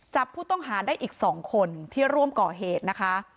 จับผู้ต้องหาได้อีก๒คนที่ร่วมก่อเหตุนะคะ